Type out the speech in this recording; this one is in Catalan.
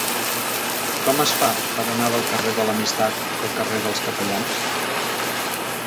Com es fa per anar del carrer de l'Amistat al carrer dels Capellans?